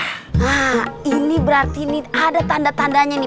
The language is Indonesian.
nah ini berarti nih ada tanda tandanya nih